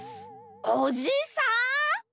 おじさん？